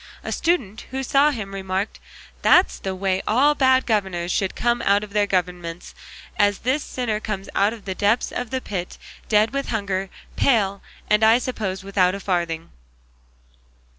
A student who saw him remarked, "That's the way all bad governors should come out of their governments, as this sinner comes out of the depths of the pit, dead with hunger, pale, and I suppose without a farthing."